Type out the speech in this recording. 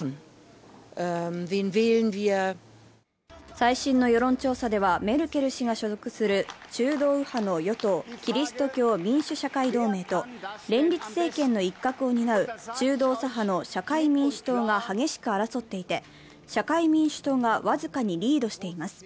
最新の世論調査では、メルケル氏が所属する中道右派の与党・キリスト教民主・社会同盟と連立政権の一角を担う中道左派の社会民主党が激しく争っていて、社会民主党が僅かにリードしています。